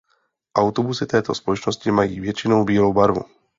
Autobusy této společnosti mají většinou bílou barvu.